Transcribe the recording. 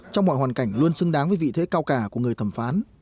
trong mọi hoàn cảnh luôn xứng đáng với vị thế cao cả của người thẩm phán